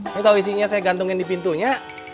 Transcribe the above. ini kalau isinya saya gantungin di pintunya